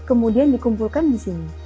kemudian dikumpulkan di sini